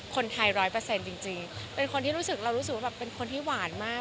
คนไทยร้อยเปอร์เซ็นต์จริงเป็นคนที่รู้สึกว่าเป็นคนที่หวานมาก